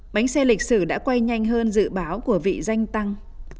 bánh xe lịch sử đã quay nhanh hơn dự báo của vị danh tăng